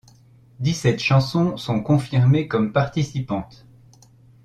Dix-sept chansons sont confirmées comme participantes.